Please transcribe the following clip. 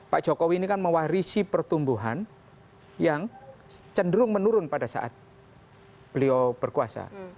pak jokowi ini kan mewarisi pertumbuhan yang cenderung menurun pada saat beliau berkuasa